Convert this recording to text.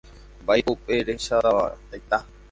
Mba'éiko upe rehecháva taita